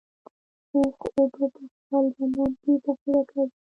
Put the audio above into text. اوښ اوبه په خپل بدن کې ذخیره کوي